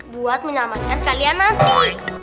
buat menyelamatkan kalian nanti